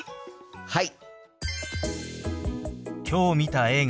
はい！